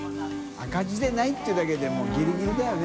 峪ないっていうだけでもうギリギリだよね。